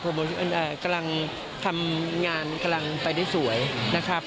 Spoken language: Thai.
ผมกำลังทำงานกำลังไปได้สวยนะครับ